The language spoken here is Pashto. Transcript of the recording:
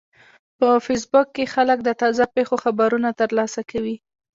په فېسبوک کې خلک د تازه پیښو خبرونه ترلاسه کوي